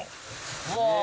うわ。